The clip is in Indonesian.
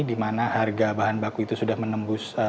di mana harga bahan baku itu sudah menembus